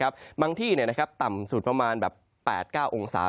บางที่ต่ำสุดประมาณแบบ๘๙องศา